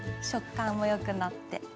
食感もよくなって。